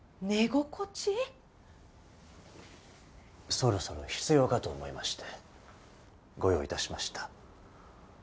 そろそろ必要かと思いましてご用意いたしました。